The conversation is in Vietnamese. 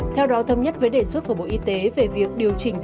theo đó thống nhất với đề xuất của bộ y tế về việc điều chỉnh